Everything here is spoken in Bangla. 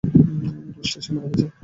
রুস্টার, সে মারা গেছে।